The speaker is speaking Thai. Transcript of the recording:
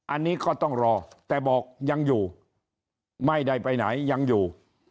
อันนี้ก็ต้องรอแต่บอกยังอยู่ไม่ได้ไปไหนยังอยู่